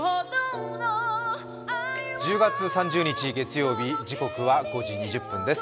１０月３０日月曜日、時刻は５時２０分です。